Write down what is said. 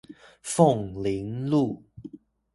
鳳林路